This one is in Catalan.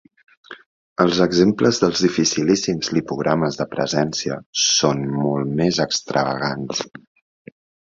Els exemples dels dificilíssims lipogrames de presència són molt més extravagants.